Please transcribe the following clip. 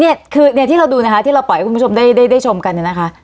เนี่ยคือเนี่ยที่เราดูนะคะที่เราปล่อยให้คุณผู้ชมได้ชมกันเนี่ยนะคะ